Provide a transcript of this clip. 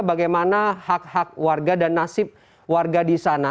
bagaimana hak hak warga dan nasib warga di sana